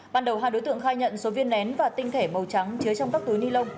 ban đầu hai đối tượng khai nhận số viên nén và tinh thể màu trắng chứa trong các túi ni lông